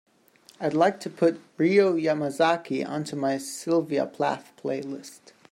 I'd like to put Ryō Yamazaki onto my sylvia plath playlist.